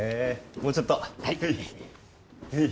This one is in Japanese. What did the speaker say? もうちょっとほいほい！